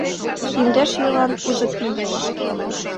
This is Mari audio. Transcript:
Индеш йолан узо пий!